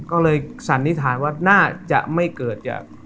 ก็เลยสันนิษฐานว่าน่าจะไม่เกิดจาก